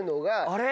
あれ？